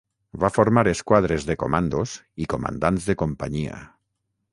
Va formar esquadres de comandos i comandants de companyia.